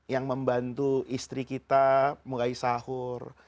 yang membantu istri kita mulai sahur